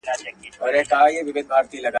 شپې چي مي په صبر سپینولې اوس یې نه لرم `